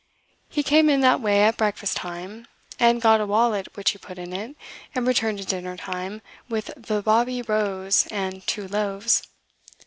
He came in that way at breakfast time, and got a wallet which he put it in, and returned at dinner time with the 'bawbee rows' and two loaves.